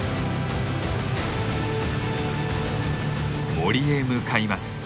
森へ向かいます。